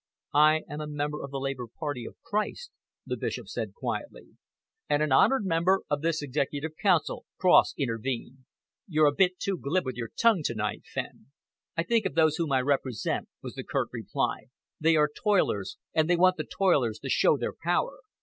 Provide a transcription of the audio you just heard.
"I am a member of the Labour Party of Christ," the Bishop said quietly. "And an honoured member of this Executive Council," Cross intervened. "You're a bit too glib with your tongue to night, Fenn." "I think of those whom I represent," was the curt reply. "They are toilers, and they want the toilers to show their power.